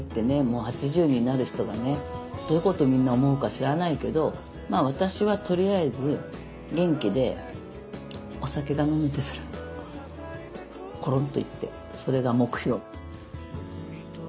もう８０になる人がねどういうことをみんな思うか知らないけどまあ私はとりあえず元気でお酒が飲めてコロンと逝ってそれが目標。